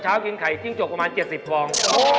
เช้ากินไข่จิ้งจกประมาณ๗๐บลอง